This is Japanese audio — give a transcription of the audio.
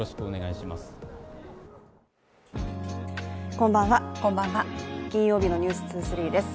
こんばんは、金曜日の「ｎｅｗｓ２３」です。